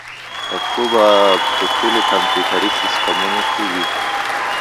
پښتو به په ټولو کمپیوټري سیسټمونو کې وي.